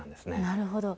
なるほど。